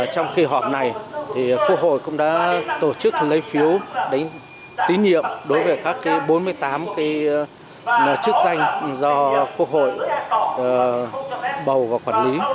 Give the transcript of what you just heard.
trong kỳ họp này quốc hội cũng đã tổ chức lấy phiếu tín nhiệm đối với các bốn mươi tám chức danh do quốc hội bầu và quản lý